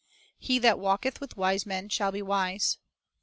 1 "He that walketh with wise men shall be wise.'"